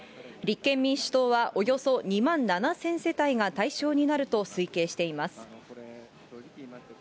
立憲民主党はおよそ２万７０００世帯が対象になると推計しています。